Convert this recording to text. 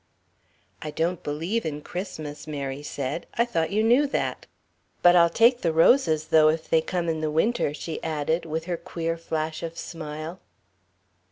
"I don't believe in Christmas," Mary said. "I thought you knew that. But I'll take the roses, though, if they come in the Winter," she added, with her queer flash of smile.